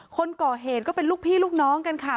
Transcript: คนก่อเหตุก็เป็นลูกพี่ลูกน้องกันค่ะ